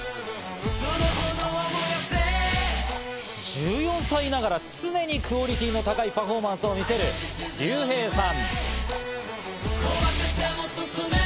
１４歳ながら常にクオリティーの高いパフォーマンスを見せるリュウヘイさん。